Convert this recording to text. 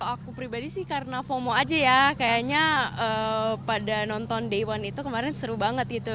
aku pribadi sih karena fomo aja ya kayaknya pada nonton day one itu kemarin seru banget gitu